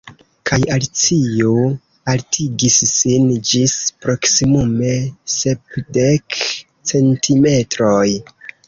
Kaj Alicio altigis sin ĝis proksimume sepdek centimetroj.